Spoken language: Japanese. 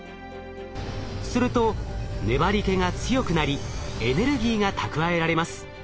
すると粘り気が強くなりエネルギーが蓄えられます。